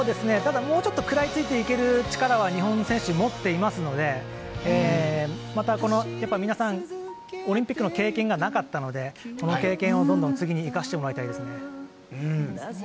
ただ、もうちょっと食らいついていける力は日本選手も持っていますのでまた、皆さんオリンピックの経験がなかったのでこの経験を次に生かしてもらいたいですね。